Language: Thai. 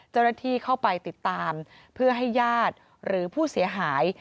เจ้าหน้าที่เข้าไปติดตามเพื่อให้ญาติหรือผู้เสียหาย